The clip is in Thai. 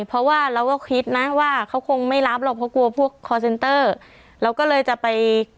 เพราะว่าเราก็คิดนะว่าเขาคงไม่รับหรอกเขากลัวพวกเราก็เลยจะไป